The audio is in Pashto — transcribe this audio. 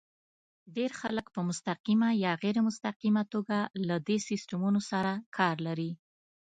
ډېر خلک په مستقیمه یا غیر مستقیمه توګه له دې سیسټمونو سره کار لري.